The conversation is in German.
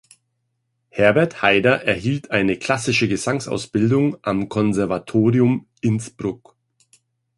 Herbert Haider erhielt eine klassische Gesangsausbildung am Konservatorium Innsbruck.